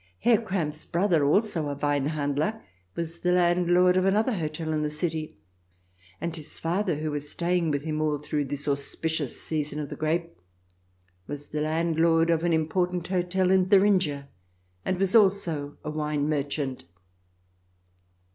Herr Kramp's brother, also a Weinhandler, was the land lord of another hotel in the city, and his father, who was staying with him all through this auspicious season of the grape, was the landlord of an im portant hotel in Thuringia, and was also a wine merchant.